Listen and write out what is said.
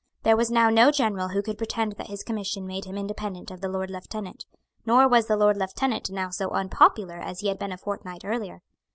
There was now no general who could pretend that his commission made him independent of the Lord Lieutenant; nor was the Lord Lieutenant now so unpopular as he had been a fortnight earlier.